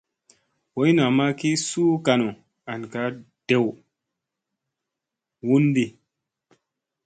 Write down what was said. Boy namma ki suu kanu an ka dew wundi.